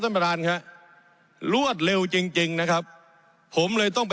ท่านประธานครับรวดเร็วจริงจริงนะครับผมเลยต้องไป